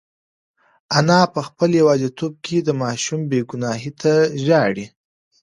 انا په خپل یوازیتوب کې د ماشوم بې گناهۍ ته ژاړي.